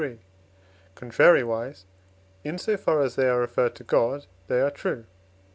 contrariwise, in so far as they are referred to God, they are true (II.